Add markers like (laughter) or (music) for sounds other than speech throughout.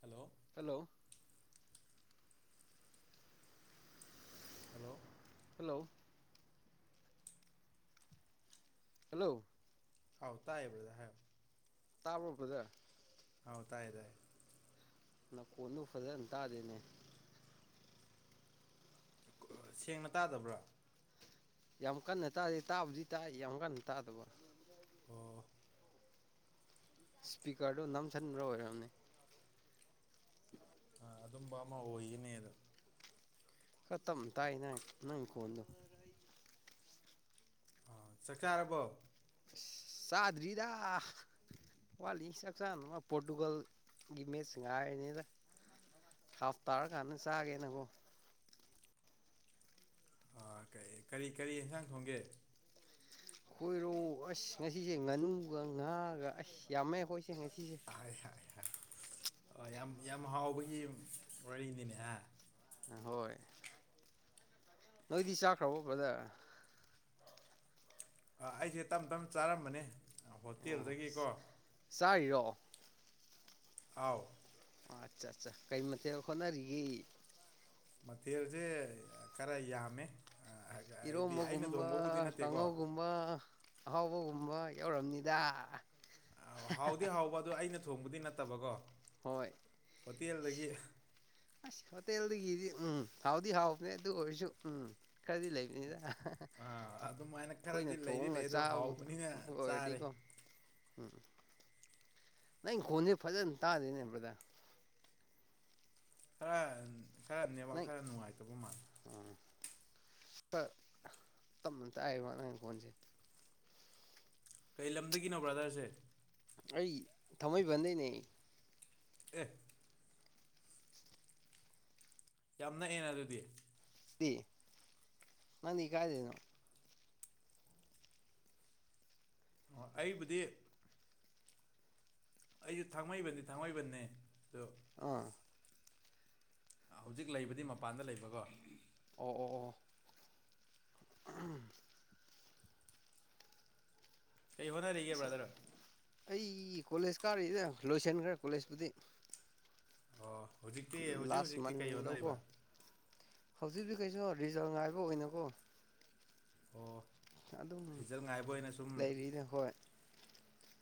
hello hello hello hello hello ꯑꯥꯎ ꯇꯥꯏꯑꯦ ꯕ꯭ꯔꯗ ꯍꯥꯏꯦꯌꯣ ꯇꯥꯕꯄꯗ ꯑꯥꯎ ꯇꯥꯏꯌꯦ ꯇꯥꯏꯌꯦ ꯅꯅꯥꯀꯣꯟꯗꯨ ꯐꯖꯅ ꯇꯥꯗꯦꯅꯦ ꯁꯦꯡꯅ ꯇꯥꯗꯕ꯭ꯔꯥ ꯌꯥꯝꯀꯥꯟ ꯅꯦ ꯇꯥꯛꯑꯕꯨ ꯇ ꯌꯥꯝꯀ ꯅꯥꯛ ꯑꯗꯨꯕꯣ ꯑꯣ ꯁ꯭ꯄꯤꯀꯔꯗꯨ ꯅꯝꯁꯤꯟꯕ꯭ꯔꯥ ꯑꯣꯏꯔꯝꯅꯤ ꯑ ꯑꯗꯨꯝꯕ ꯑꯃ ꯑꯣꯏꯒꯅꯦꯗ ꯈ꯭ꯔꯥꯇꯝꯅ ꯇꯥꯏ ꯅ ꯅꯪ ꯈꯣꯟꯗꯣ ꯑ ꯆꯈꯥꯔꯕꯣ ꯑꯁ ꯆꯥꯗ꯭ꯔꯤꯗ ꯋꯥꯠꯂꯤ ꯆꯥꯛ ꯆꯥꯅꯃ ꯄꯣꯔꯇꯨꯒꯜꯒꯤ ꯃꯦꯠ ꯉꯥꯏꯔꯤꯅꯤꯗ ꯍꯥꯞ ꯇꯥꯔꯀꯥꯟꯗ ꯆꯥꯒꯦꯅꯀꯣ ꯑ ꯀꯩ ꯀꯔꯤ ꯀꯔꯤ ꯍꯦꯟꯁꯥꯡ ꯊꯣꯡꯒꯦ ꯈꯣꯏꯔꯣ ꯑꯁ ꯉꯁꯤꯁꯦ ꯉꯥꯅꯨꯒ ꯉꯥꯒ ꯑꯁ ꯌꯥꯝꯃꯦ ꯍꯣꯏ ꯑꯩ ꯉꯁꯤꯖꯦ ꯑ ꯌꯥꯝ ꯌꯥꯝ ꯍꯥꯎꯕꯒꯤ ꯋꯥꯔꯤꯅꯤꯅꯦ ꯍꯥ ꯍꯣꯏ ꯅꯣꯏꯗꯤ ꯆꯥꯈ꯭ꯔꯕ ꯐꯗ ꯑ ꯑꯩꯁꯦ ꯇꯝ ꯇꯞ ꯆꯥꯔꯝꯕꯅꯦ ꯑꯣ ꯍꯣꯇꯦꯜꯗꯒꯤꯀꯣ ꯆꯥꯔꯤꯔꯣ ꯑꯥꯎ ꯑꯠꯆꯥ ꯑꯠꯆꯥ ꯀꯩ ꯃꯊꯦꯜ ꯍꯣꯠꯅꯔꯤꯒꯦ ꯃꯊꯦꯜꯁꯦ ꯈꯔ ꯌꯥꯝꯃꯦ ꯑꯥ ꯍꯥꯏꯗꯤ ꯑꯩꯅ ꯏꯔꯣꯃꯒꯨꯝꯕ ꯊꯣꯡꯕꯕꯨꯗꯤ ꯅꯠꯇꯦꯀꯣ ꯀꯥꯡꯉꯧꯒꯨꯝꯕ ꯑꯍꯥꯎꯕꯒꯨꯝꯕ ꯌꯧꯔꯝꯅꯤꯗ ꯑ ꯍꯥꯎꯗꯤ ꯍꯥꯎꯕ ꯑꯗꯨꯣ ꯑꯩꯅ ꯊꯣꯡꯕꯗꯤ ꯅꯠꯇꯕꯀꯣ ꯍꯣꯇꯦꯜꯗꯒꯤ ꯍꯣꯏꯇꯦꯜ ꯑꯗꯨꯒꯤꯗꯤ ꯎꯝ ꯍꯥꯎꯗꯤ ꯍꯥꯎꯕꯅꯦ ꯑꯗꯨ ꯑꯣꯏꯔꯁꯨ ꯎꯝ ꯈꯔꯗꯤ ꯂꯩꯕꯅꯤꯗ ꯑꯥ ꯑꯗꯨꯃꯥꯏꯅ ꯑꯩꯈꯣꯏꯅ ꯈꯔꯗꯤ ꯂꯩꯗꯤ ꯊꯣꯡꯒ ꯂꯩ ꯑꯗꯣ ꯆꯥꯕꯕꯨ ꯍꯥꯎꯕꯅꯤꯅ ꯆꯥꯔꯦ ꯑꯣꯏꯔꯗꯤꯀꯣ ꯎꯝ ꯅꯪ ꯈꯣꯟꯁꯦ ꯐꯖꯅ ꯇꯥꯗꯦꯅꯦꯕ꯭ꯔꯗ ꯍꯔ ꯈꯔꯅꯦꯕ ꯈꯔ ꯅꯨꯡꯉꯥꯏꯇꯕ ꯃꯥꯜꯂꯦ ꯁꯥ ꯇꯞꯅ ꯇꯥꯛ ꯋꯥ ꯅ ꯐꯣꯟꯁꯦ ꯀꯩ ꯂꯝꯗꯒꯤꯅꯣ ꯕ꯭ꯔꯥꯗꯔꯁꯦ ꯑꯩ ꯊꯃꯣꯏ ꯐꯗꯩꯅꯦ ꯑꯦ ꯌꯥꯝ ꯅꯛꯑꯦꯅ ꯑꯗꯨꯗꯤ ꯅꯅꯤ ꯀꯥꯏꯗꯅꯣ ꯑꯩꯕꯨꯗꯤ ꯑꯩꯁꯨ ꯊꯥꯡꯃꯩꯕꯟꯅꯤ ꯊꯥꯡꯃꯩꯕꯟꯅꯦ ꯑꯗꯣ ꯑꯥ ꯍꯧꯖꯤꯛ ꯂꯩꯕꯗꯤ ꯃꯄꯥꯟꯗ ꯂꯩꯕꯀꯣ ꯑꯣ ꯑꯣ ꯀꯩ ꯍꯣꯠꯅꯔꯤꯒꯦ ꯑꯁ ꯕ꯭ꯔꯥꯗꯔ ꯑꯩ ꯀꯣꯂꯦꯖ ꯀꯥꯔꯤꯗ ꯂꯣꯏꯁꯤꯟꯈ꯭ꯔꯦ ꯀꯣꯂꯦꯖꯄꯨꯗꯤ ꯑꯣ ꯍꯧꯖꯤꯛꯇꯤ ꯍꯧꯖꯤꯛ ꯍꯧꯖꯤꯛꯇꯤ ꯀꯩ ꯍꯣꯅꯔꯤꯕ ꯍꯧꯖꯤꯛꯖꯤ ꯀꯩꯁꯨ ꯔꯤꯖꯥꯕ ꯉꯥꯏꯕ ꯑꯣꯏꯅꯀꯣ ꯑꯣ ꯑꯗꯨꯝ ꯔꯤꯖꯜ ꯉꯥꯏꯕ ꯑꯣꯏꯅ ꯁꯨꯝ ꯂꯩꯔꯤꯅꯦ ꯍꯣꯏ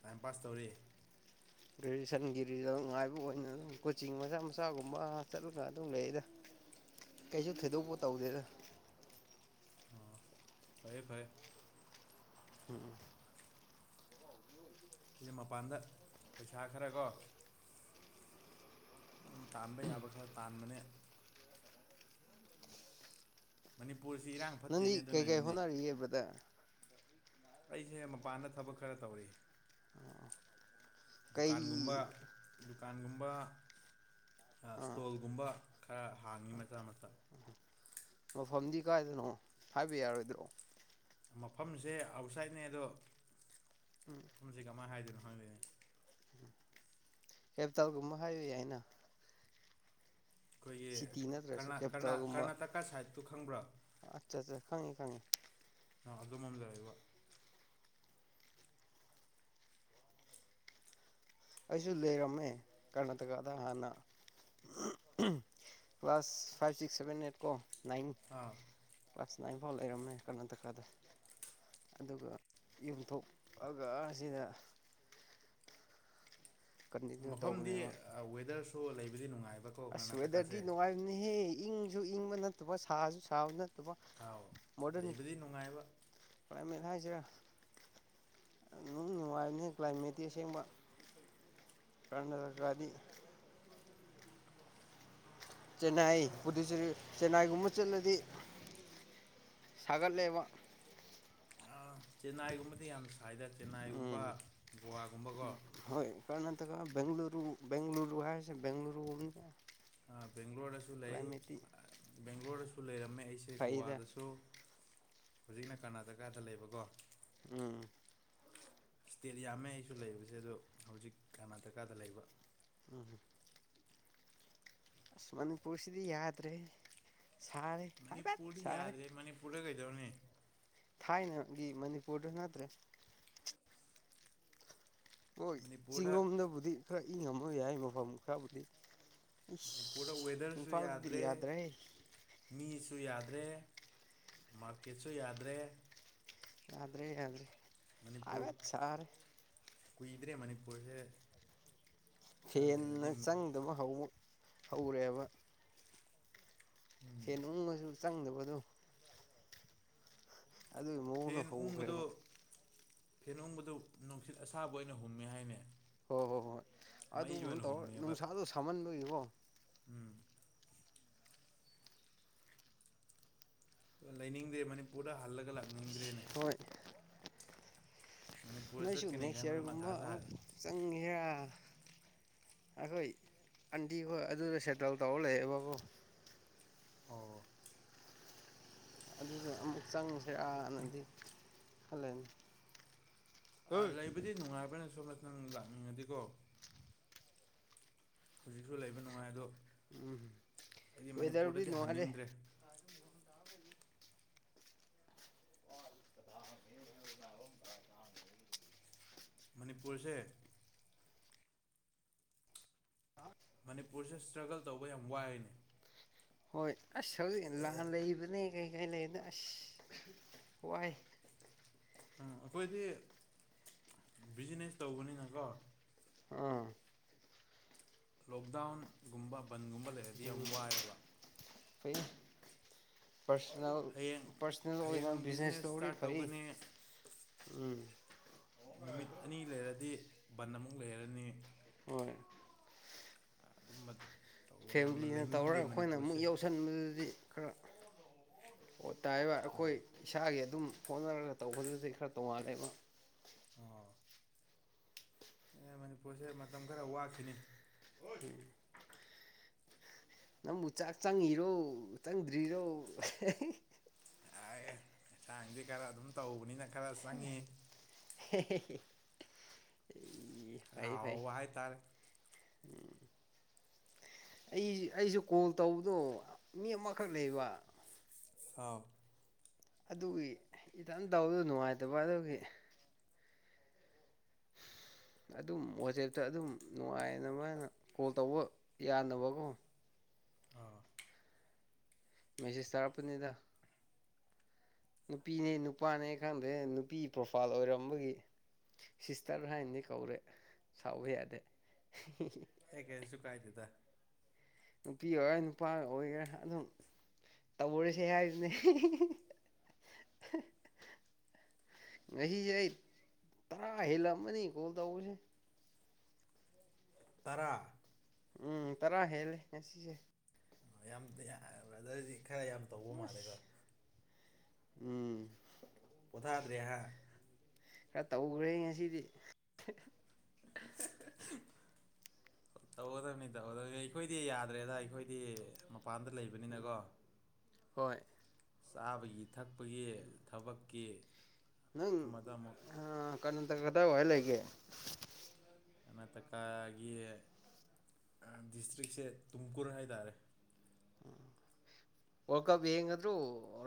ꯇꯥꯏꯝ ꯄꯥꯁ ꯇꯧꯔꯤ ꯒ꯭ꯔꯦꯖꯨꯑꯦꯁꯟꯒꯤ ꯔꯤꯖꯜ ꯉꯉꯥꯏꯕ ꯑꯣꯏꯅ ꯑꯗꯨꯝ ꯀꯣꯆꯤꯡ ꯃꯆꯥ ꯃꯆꯥꯒꯨꯝꯕ ꯆꯠꯂꯒ ꯑꯗꯨꯝ ꯂꯩꯗ ꯀꯩꯁꯨ ꯊꯣꯏꯗꯣꯛꯄ ꯇꯧꯗꯦꯗ ꯑꯣ ꯐꯔꯦ ꯐꯔꯦ ꯎꯝ ꯑꯩꯅ ꯃꯄꯥꯟꯗ ꯄꯩꯁꯥ ꯈꯔꯒꯣ ꯇꯥꯟꯕ ꯌꯥꯕ ꯈꯔ ꯇꯥꯟꯕꯅꯦ ꯃꯅꯤꯄꯨꯔ ꯅꯗꯤ ꯀꯩ ꯀꯥꯏ ꯍꯅꯔꯤꯕꯗꯥ ꯑꯩꯁꯦ ꯃꯄꯥꯟꯗ ꯊꯕꯛ ꯈꯔ ꯇꯧꯔ ꯀꯩ ꯗꯨꯀꯥꯟꯒꯨꯝꯕ ꯗꯨꯀꯥꯟꯒꯨꯝꯕ ꯑꯥ ꯏꯁꯇꯣꯜꯒꯨꯝꯕ ꯈꯔ ꯍꯥꯡꯉꯤ ꯃꯆꯥ ꯃ ꯃꯐꯝꯗꯤ ꯀꯥꯏꯗꯅꯣ ꯍꯥꯏꯕ ꯌꯥꯔꯣꯏꯗ꯭ꯔꯣ ꯃꯐꯝꯁꯦ ꯑꯥꯎꯠꯁꯥꯏꯠꯅꯦ ꯑꯗꯣ ꯎꯝ ꯃꯐꯝꯁꯤ ꯀꯃꯥꯏ ꯍꯥꯏꯗꯣꯏꯅꯣ ꯐꯔꯦ ꯀꯦꯄꯤꯇꯥꯜꯒꯨꯝꯕ ꯍꯥꯏꯕ ꯌꯥꯏꯅ ꯑꯩꯈꯣꯏꯒꯤ ꯁꯤꯇꯤ ꯅꯠꯇ꯭ꯔꯁꯨ ꯀꯦꯄꯤꯇꯥꯜꯒꯨꯝꯕ ꯀꯔꯅꯥꯇꯀꯥ ꯁꯥꯏꯠꯇꯠꯇꯨ ꯈꯪꯕ꯭ꯔꯣ ꯈꯪꯉꯤ ꯑꯥ ꯑꯗꯨꯝꯂꯣꯝ ꯂꯩꯕ ꯑꯩꯁꯨ ꯂꯩꯔꯝꯃꯦ ꯀꯔꯅꯥꯇꯀꯥꯗ ꯍꯥꯟꯅ class five six seven eight ꯀꯣ ꯅꯥꯏꯟ ꯑꯥ ꯀ꯭ꯂꯥꯁ ꯅꯥꯏꯟ ꯐꯥꯎ ꯂꯩꯔꯝꯃꯦ ꯀꯔꯅꯥꯇꯀꯥꯗ ꯑꯗꯨꯒ ꯌꯨꯝꯊꯣꯛꯑꯒ ꯑꯁꯤꯗ ꯃꯐꯝꯗꯤ ꯋꯦꯗꯔ ꯑꯣ ꯂꯩꯕꯗꯤ ꯅꯨꯡꯉꯥꯏ ꯑꯁ ꯋꯦꯗꯔꯗꯤ ꯅꯨꯡꯉꯥꯏꯕꯅꯤꯍꯦ ꯏꯪꯁꯨ ꯏꯪꯕ ꯅꯠꯇꯕ ꯁꯥꯁꯨ ꯁꯥꯕꯅ ꯑꯗꯨꯒ ꯑꯥꯎ ꯃꯣꯗꯔꯟ ꯂꯩꯕꯗꯤ ꯅꯨꯡꯉꯥꯏꯕ ꯀꯥꯜꯃꯦꯠ ꯍꯥꯏꯁꯤꯔ ꯅꯨꯡ ꯅꯨꯡꯉꯥꯏꯔꯤꯅꯤ ꯀ꯭ꯂꯥꯏꯃꯦꯠꯇꯀꯤ ꯑꯁꯦꯡꯕ ꯀꯔꯅꯇꯀꯗꯤ ꯆꯦꯟꯅꯥꯏ ꯍꯣꯏ ꯄꯨꯗꯨꯆꯦꯔꯤ ꯆꯦꯟꯅꯥꯏꯒꯨꯝꯕ ꯆꯠꯂꯗꯤ ꯁꯥꯒꯠꯂꯦꯕ ꯆꯦꯟꯅꯥꯏꯒꯨꯝꯕꯗꯤ ꯌꯥꯝ ꯁ ꯁꯥꯏꯗ ꯆꯦꯟꯅꯥꯏꯒꯨꯝꯕ ꯎꯝ ꯒꯣꯋꯥꯒꯨꯝꯕꯀꯣ ꯕꯦꯡꯂꯨꯔꯨ ꯕꯦꯡꯂꯨꯔꯨ ꯍꯥꯏꯁꯦ ꯕꯦꯡꯂꯨꯔꯨ ꯑꯃ ꯕꯦꯡꯒ꯭ꯂꯣꯔꯗꯁꯨ ꯂꯩ ꯕꯦꯡꯒ꯭ꯂꯣꯔꯗꯁꯨ ꯂꯩꯔꯝꯃꯦ ꯑꯩꯁꯦ ꯐꯩꯗ ꯒꯣꯋꯥꯗꯁꯨ ꯍꯧꯖꯤꯛꯅ ꯀꯔꯅꯥꯇꯀꯥꯗ ꯂꯩꯕꯀꯣ ꯎꯝ ꯏꯁꯇꯦꯠ ꯌꯥꯝꯃꯦ ꯑꯩꯁꯨ ꯂꯩꯕꯁꯦ ꯑꯗꯣ ꯍꯧꯖꯤꯛ ꯀꯔꯅꯥꯇꯀꯥꯗ ꯂꯩꯕ ꯎꯝ ꯃꯅꯤꯄꯨꯔꯁꯤꯗꯤ ꯌꯥꯗ꯭ꯔꯦꯍꯦ ꯃꯅꯤꯄꯨꯔꯤ ꯌꯥꯗꯦ ꯃꯅꯤꯄꯨꯔ ꯀꯩꯗꯧꯅꯦ ꯊꯥꯏꯅꯒꯤ ꯃꯅꯤꯄꯨꯔꯗꯨ ꯅꯠꯇ꯭ꯔꯦ ꯍꯣꯏ ꯃꯅꯤꯄꯨꯔꯗ ꯆꯤꯡꯔꯣꯝꯗꯕꯨꯗꯤ ꯈꯔ ꯏꯪꯉꯝꯝꯕ ꯌꯥꯏ ꯃꯐꯝ ꯈꯔꯕꯨꯗꯤ ꯑꯁ ꯃꯅꯤꯄꯨꯔꯗ ꯋꯦꯗꯔꯁꯨ ꯏꯝꯐꯥꯜꯗꯗꯤ ꯌꯥꯗ꯭ꯔꯦ ꯁꯨ ꯌꯥꯗ꯭ꯔꯦ ꯃꯥꯔꯀꯦꯠꯁꯨ ꯌꯥꯗ꯭ꯔꯦ ꯌꯥꯗ꯭ꯔꯦ ꯌꯥꯗ꯭ꯔꯦ ꯃꯅꯤꯄꯨꯔ ꯍꯥꯏꯕꯦꯠ ꯁꯥꯔꯦ ꯀꯨꯏꯗ꯭ꯔꯦ ꯃꯅꯤꯄꯨꯔꯁꯦ ꯈꯔ ꯍꯦꯟꯅ ꯂꯩꯔꯗꯤ ꯆꯪꯗꯕ ꯍꯧꯉꯨ ꯍꯧꯔꯛꯑꯦꯕ ꯎꯝ ꯐꯦꯂꯅꯨꯡ ꯃꯁꯨ ꯆꯪꯗꯕꯗꯨ ꯑꯗꯨꯒꯤ ꯃꯑꯣꯡꯅ ꯍꯧꯈ꯭ꯔꯦꯃ ꯐꯦꯟꯅꯨꯡꯕꯗꯨ ꯅꯨꯡꯁꯤꯠ ꯑꯁꯥꯕ ꯑꯣꯏꯅ ꯍꯨꯝꯃꯦ ꯍꯥꯏꯅ ꯍꯣꯏ ꯍꯣꯏ ꯍꯣꯏ ꯑꯗꯨꯒꯨꯝꯕ ꯇꯧꯔ ꯍꯨꯝꯃꯦꯕ ꯅꯨꯡꯁꯥꯗꯣ ꯁꯥꯃꯟꯗꯣꯏꯀꯣ ꯎꯝ ꯑ ꯂꯩꯅꯤꯡꯗꯦ ꯃꯅꯤꯄꯨꯔ ꯄꯨꯗ ꯍꯜꯂꯒ ꯂꯥꯛꯅꯤꯡꯗ꯭ꯔꯦꯅꯦ ꯃꯅꯤꯄꯨꯔꯗ ꯅꯁꯨ ꯆꯠꯀꯅꯤ ꯅꯦꯛꯁ ꯈꯟꯕꯗ ꯏꯌꯥꯔꯒꯨꯝꯕ ꯃꯊꯥ ꯑꯃꯨꯛ ꯁꯥꯔꯦ ꯆꯪꯒꯦꯔꯥ ꯑꯩꯈꯣꯏ ꯑꯟꯗꯤꯤꯈꯣ ꯑꯗꯨꯗ ꯁꯦꯇꯜ ꯇꯧ ꯂꯩꯦꯕꯕꯨꯣ ꯑꯣ ꯑꯗꯨꯗ ꯑꯃꯨꯛ ꯆꯪꯉꯁꯤ ꯍꯔꯗꯒꯤ ꯍꯂꯦꯟ ꯑ ꯂꯩꯕꯗꯤ ꯅꯨꯡꯉꯥꯏꯕꯅ ꯁꯣ ꯅꯪ ꯂꯥꯛꯅꯤꯡꯉꯗꯤꯀꯣ ꯍꯧꯖꯤꯛꯁꯨ ꯂꯩꯕ ꯅꯨꯡꯉꯥꯏ ꯑꯗꯣ ꯑꯩꯗꯤ ꯋꯦꯗꯔꯕꯨꯔꯤ ꯃꯅꯤꯄꯨꯔꯗꯗꯤ ꯅꯍꯥꯦ ꯍꯟꯅꯤꯡꯗ꯭ꯔꯦ (unintelligible) ꯃꯅꯤꯄꯨꯔꯁꯦ ꯃꯅꯤꯄꯨꯔꯁꯦ ꯏꯁꯇ꯭ꯔꯒꯜ ꯇꯧꯕ ꯌꯥꯝ ꯋꯥꯏꯅꯤ ꯍꯣꯏ ꯑꯁ ꯍꯧꯖꯤ ꯂꯥꯟ ꯂꯩꯕꯅꯦ ꯀꯩ ꯀꯩ ꯂꯩꯅ ꯑꯁ ꯋꯥꯏ ꯑꯝ ꯑꯩꯈꯣꯏꯗꯤ ꯕꯤꯖꯤꯅꯦꯁ ꯇꯧꯕꯅꯤꯅꯀꯣ ꯑꯥ ꯂꯣꯛꯗꯥꯎꯟꯒꯨꯝꯕ ꯄꯟꯒꯨꯝꯕ ꯂꯩꯔꯗꯤ ꯌꯥꯝ ꯋꯥꯏꯑꯦꯕ ꯑꯩ ꯍꯌꯦꯡ ꯁꯜ ꯑꯣꯏꯅ ꯍꯌꯦꯡ ꯕꯤꯖꯤꯅꯦꯁ ꯊꯧ ꯏꯁꯇꯥꯔꯠ ꯄꯥꯏ ꯇꯧꯒꯅꯤ ꯎꯝ ꯅꯨꯃꯤꯠ ꯑꯅꯤ ꯂꯩꯔꯗꯤ ꯕꯟ ꯑꯃꯨꯛ ꯂꯩꯔꯅꯤ ꯍꯣꯏ ꯑꯗꯨꯝꯕ ꯇꯧꯕꯅꯦ ꯐꯦꯃꯤꯂꯤꯅ ꯇꯧꯔꯒ ꯂꯩꯅꯤꯡꯗꯦ ꯑꯩꯈꯣꯏꯅ ꯑꯃꯨꯛ ꯃꯅꯤꯄꯨꯔꯁꯦ ꯌꯧꯁꯤꯟꯕꯗꯨꯗꯤ ꯈꯔ ꯑꯣꯠ ꯇꯥꯏꯕ ꯑꯩꯈꯣꯏ ꯑꯥ ꯏꯁꯥꯒꯤ ꯑꯗꯨꯝ ꯍꯣꯠꯅꯔꯒ ꯇꯧꯕꯗꯨꯗꯤ ꯈꯔ ꯇꯣꯡꯉꯥꯜꯂꯦꯕ ꯑꯣ ꯑꯦ ꯃꯅꯤꯄꯨꯔꯁꯦ ꯃꯇꯝ ꯈꯔ ꯋꯥꯈꯤꯅꯤ ꯎ ꯅꯪꯕꯨ ꯆꯥꯛ ꯆꯪꯉꯤꯔꯣ ꯆꯪꯗ꯭ꯔꯤꯔꯣ ꯍꯥꯏꯟꯁꯥꯡꯗꯤ ꯈꯔ ꯑꯗꯨꯝ ꯇꯧꯕꯅꯤꯅ ꯈꯔ ꯆꯪꯉꯤ (inaudible) ꯈꯔ ꯐꯥꯏ ꯐꯥꯏ ꯍꯥꯎꯕ ꯍꯥꯏꯇꯥꯔꯦ ꯎꯝ ꯑꯩ ꯑꯩꯁꯨ ꯀꯣꯜ ꯇꯧꯕꯗꯣ ꯃꯤ ꯑꯃꯈꯛ ꯂꯩꯕ ꯊ ꯑꯗꯨꯒꯤ ꯏꯇꯟ ꯇꯧꯕꯗ ꯅꯨꯡꯉꯥꯏꯇꯕ ꯑꯗꯨꯒꯤ ꯑꯗꯨꯝ ꯋꯥꯆꯦꯞꯇ ꯑꯗꯨꯝ ꯅꯨꯡꯉꯥꯏꯅꯕꯅ ꯀꯣꯜ ꯇꯧꯕ ꯌꯥꯅꯕꯀꯣ ꯑꯥ ꯃꯦꯁꯦꯁ ꯇꯔꯄꯅꯤꯗ ꯅꯨꯄꯤꯅꯦ ꯅꯨꯄꯥꯅꯦ ꯈꯪꯗꯦ ꯅꯨꯄꯤ ꯄ꯭ꯔꯣꯐꯥꯏꯜ ꯑꯣꯏꯔꯝꯕꯒꯤ ꯁꯤꯁꯇꯔ ꯍꯥꯏꯅꯗꯤ ꯀꯧꯔꯦ ꯁꯥꯎꯕ ꯌꯥꯗꯦ ꯍꯦ ꯀꯦꯁꯨ ꯀꯥꯏꯗꯦꯗ ꯅꯨꯄꯤ ꯑꯣꯏꯒꯔꯥ ꯅꯨꯄꯥ ꯑꯣꯏꯒꯦꯔꯥ ꯑꯗꯨꯝ ꯇꯧꯔꯁꯦ ꯍꯥꯏꯗꯨꯅ ꯉꯁꯤꯁꯦ ꯑꯩ ꯇꯔꯥ ꯍꯦꯜꯂꯛꯑꯃꯅꯤ ꯀꯣꯜ ꯇꯧꯕꯁꯦ ꯇꯔꯥ ꯎꯝ ꯇꯔꯥ ꯍꯦꯜꯂꯦ ꯉꯁꯤꯁꯦ ꯌꯥꯝꯗꯔꯗꯤ ꯈꯔ ꯌꯥꯝ ꯇꯧꯕ ꯃꯥꯜꯂꯦꯀꯣ ꯑꯁ ꯎꯝ ꯄꯣꯊꯥꯗ꯭ꯔꯦ ꯍꯥ ꯈꯔ ꯇꯧꯈ꯭ꯔꯦ ꯉꯁꯤꯗꯤ ꯇꯧꯒꯗꯕꯅꯤ ꯇꯧꯒꯗꯕꯅꯤ ꯑꯩꯈꯣꯏꯗꯤ ꯌꯥꯗ꯭ꯔꯦꯗ ꯑꯩꯈꯣꯏꯗꯤ ꯃꯄꯥꯟꯗ ꯂꯩꯕꯅꯤꯅꯀꯣ ꯍꯣꯏ ꯁꯕꯌꯠ ꯊꯛꯄꯒꯤ ꯊꯕꯛꯀꯤ ꯅ ꯑꯃꯗ ꯑꯃꯨꯛ ꯑ ꯀ ꯀꯗ ꯍ ꯂꯩꯒꯦ ꯀꯔꯅꯥꯇꯀꯥꯒꯤ ꯗꯤꯁꯇ꯭ꯔꯤꯛꯁꯦ ꯇꯨꯝꯀꯨꯔ ꯍꯥꯏꯇꯥꯔꯦ ꯎꯝ ꯋꯥꯔꯜ ꯀꯞ ꯌꯦꯡꯒꯗ꯭ꯔꯣ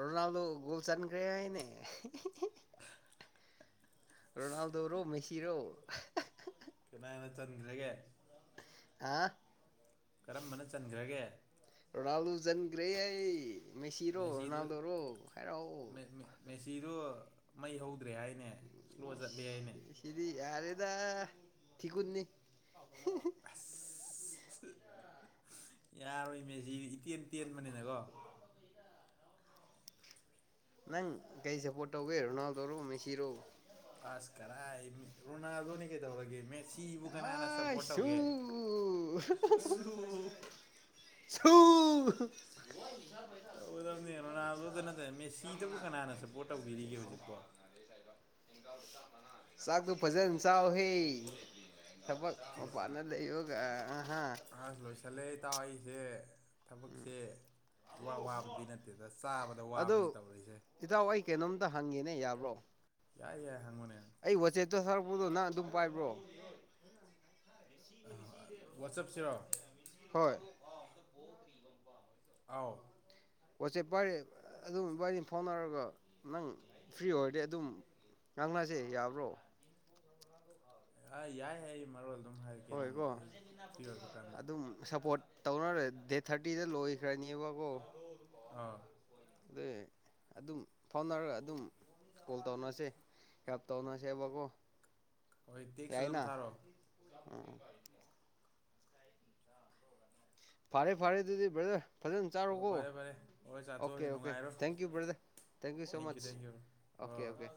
ꯔꯣꯅꯥꯜꯗꯣ ꯒꯣꯜ ꯆꯟꯈ꯭ꯔꯦ ꯍꯥꯏꯅꯦ ꯔꯣꯅꯥꯜꯗꯣ ꯔꯣ ꯃꯦꯁꯤꯔꯣ ꯀꯃꯅ ꯆꯟꯈ꯭ꯔꯒꯦ ꯑ ꯀꯔꯝꯕꯅ ꯆꯟꯈ꯭ꯔꯒꯦ ꯖꯟꯒ꯭ꯦꯍꯩ ꯃꯦꯁꯤꯔꯣ ꯃꯦꯁꯤꯗꯨ ꯔꯣꯅꯥꯜꯗꯔꯣ ꯍꯥꯏꯔꯛꯑꯣ ꯃꯦꯁꯤꯗꯨ ꯃꯩ ꯍꯧ ꯆꯠꯇ꯭ꯔꯦ ꯍꯥꯏꯅꯦ ꯁ꯭ꯂꯣ ꯆꯠꯂꯦ ꯍꯥꯏꯅꯦ ꯑꯗ ꯊꯤꯀꯨꯟꯅꯤ (inaudible) ꯑꯁ ꯌꯥꯔꯣꯏ ꯃꯦꯁꯤ ꯇꯦꯟ ꯇꯦꯟꯕꯅꯤꯅꯀꯣ ꯅꯪ ꯀꯩ ꯁꯄꯣ ꯏꯇꯥꯑꯣꯕꯤ ꯍꯔꯅꯥꯜꯗꯧꯔꯣ ꯃꯦꯁꯤꯔꯣ (unintelligible) ꯔꯨꯅꯥꯜꯗꯣꯅꯤ ꯀꯩ ꯇꯧꯔꯒꯦ ꯟꯠ ꯁꯤꯕꯨ ꯀꯅꯥꯅ ꯁꯄꯣꯔꯠ ꯑꯥꯏꯁꯨ ꯇꯧꯒꯦ ꯁꯨ ꯎ ꯁꯧ ꯇꯧꯒꯗꯕꯅꯦ ꯔꯣꯅꯥꯜꯗꯣꯗ ꯅꯠꯇꯅ ꯃꯦꯁꯤꯗꯕꯨ ꯀꯅꯥꯅ ꯁꯞꯄꯣꯔꯠ ꯇꯧꯕꯤꯔꯤꯒꯦ ꯍꯧꯖꯤꯛꯄꯣ ꯆꯒ ꯇꯨ ꯐꯖꯦꯟ ꯆꯥꯎꯍꯦ ꯊꯕꯛ ꯄꯄꯥꯅꯗꯥ ꯂꯩꯌꯨ (unintelligible) ꯑ ꯂꯣꯏꯁꯂꯦ ꯇꯥꯎ ꯑꯩꯁꯦ ꯊꯕꯛꯁꯦ ꯋꯥ ꯋꯥꯕꯗꯤ ꯅꯠꯇꯦꯗ ꯆꯥꯕꯗ ꯋꯥꯕꯅꯤ ꯇꯧꯔꯤꯁꯦ ꯍꯡꯒꯦꯅꯦ ꯌꯥꯕ꯭ꯔꯣ ꯌꯥꯏ ꯌꯥꯏ ꯍꯡꯒꯦꯅꯦ ꯑꯩ ꯋꯥꯆꯦꯠꯇ ꯁꯥꯔꯛꯄꯗꯣ ꯅꯡ ꯑꯗꯨꯝ ꯄꯥꯏꯕ꯭ꯔꯣ ꯋꯥꯆꯞꯁꯤꯔꯣ ꯍꯣꯏ ꯑꯣ ꯋꯥꯆꯦꯞ ꯄꯥꯏꯔꯦ ꯑꯗꯨꯝ ꯋꯥꯔꯤꯕꯥꯅꯤ ꯐꯥꯎꯅꯔꯒ ꯅꯡ ꯐ꯭ꯔꯤ ꯑꯣꯏꯔꯗꯤ ꯑꯗꯨꯝ ꯉꯥꯡꯅꯁꯦ ꯌꯥꯕ꯭ꯔꯣ ꯑ ꯌꯥꯏ ꯍꯥꯏ ꯃꯔꯣꯜ ꯑꯗꯨꯝ ꯍꯥꯏꯔꯛꯀꯦ ꯅꯪ ꯍꯣꯏꯀꯣ ꯑꯩ ꯐ꯭ꯔꯤ ꯑꯣꯏꯕ ꯀꯥꯟꯗ ꯑꯗꯨꯝ ꯁꯞꯄꯣꯔꯠ ꯇꯧꯅꯔꯦ ꯗꯦꯠ ꯊꯥꯔꯇꯤꯗ ꯂꯣꯏꯈ꯭ꯔꯅꯦꯕꯀꯣ ꯑꯥ ꯑꯗꯨꯏ ꯑꯗꯨꯝ ꯐꯥꯎꯅꯔꯒ ꯑꯗꯨꯝ ꯀꯣꯜ ꯇꯧꯅꯁꯦ ꯍꯥꯜꯄ ꯇꯧꯅꯁꯦꯕꯀꯣ ꯍꯣꯏ ꯇꯦꯛꯁ ꯑꯗꯨꯝ ꯌꯥꯏꯅ ꯊꯥꯔꯛ ꯑꯣ ꯎꯝ ꯐꯥꯔꯦ ꯐꯥꯔꯦ ꯑꯗꯨꯗꯤ ꯕꯗꯔ ꯐꯖꯅ ꯍꯣꯏ ꯆꯥꯔꯣꯀꯣ ꯐꯔꯦ ꯐꯔꯦ ꯍꯣꯏ ꯑꯣꯀꯦ ꯆꯥꯊꯣꯛꯑꯒꯦ ꯑꯣꯀꯦ ꯅꯨꯡꯉꯥꯏꯔꯣ thank you ꯕ꯭ꯔꯗ thank you so much okay ꯍꯣꯏ ꯑꯣꯀꯦ